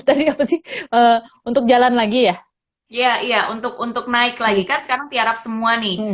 tadi apa sih untuk jalan lagi ya iya untuk untuk naik lagi kan sekarang tiarap semua nih